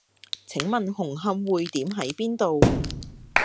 請問紅磡薈點喺邊度？